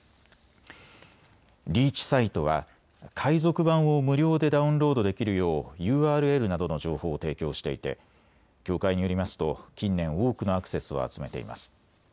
リーチサイトは海賊版を無料でダウンロードできるようＵＲＬなどの情報を提供していて協会によりますと近年、多くのアクセスを集めています。